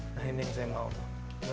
nah ini yang saya mau